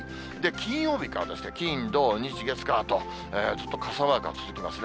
金曜日から、金、土、日、月、火と、ずっと傘マークが続きますね。